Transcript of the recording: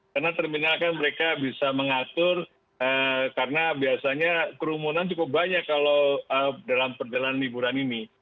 karena terminal kan mereka bisa mengatur karena biasanya kerumunan cukup banyak kalau dalam perjalanan liburan ini